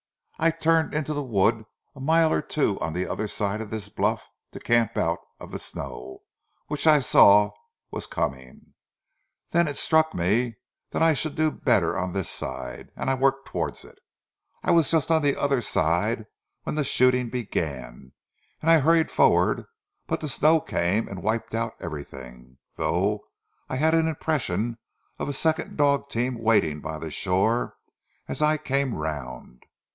I turned into the wood a mile or two on the other side of this bluff to camp out of the snow which I saw was coming. Then it struck me that I should do better on this side, and I worked towards it. I was just on the other side when the shooting began, and I hurried forward, but the snow came and wiped out everything, though I had an impression of a second dog team waiting by the shore as I came round.